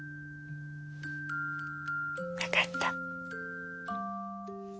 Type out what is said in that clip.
分かった。